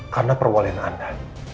karena perwalian anda